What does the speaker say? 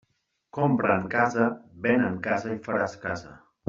Compra en casa, ven en casa i faràs casa.